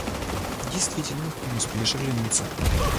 Действительно, не успеешь оглянуться